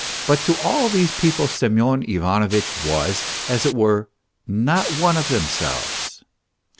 But to all these people Semyon Ivanovitch was, as it were, not one of themselves.